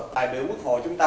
tại biểu quốc hội chúng ta